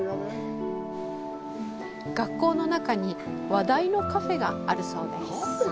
学校の中に話題のカフェがあるそうです。